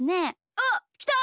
おっきた！